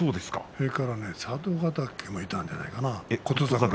それから佐渡ヶ嶽もいたんじゃないかな。